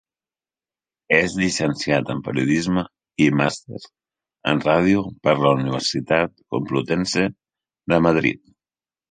És llicenciat en Periodisme i màster en radio per la Universitat Complutense de Madrid.